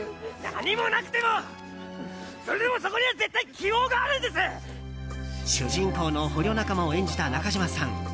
何もなくてもそれでもそこには絶対主人公の捕虜仲間を演じた中島さん。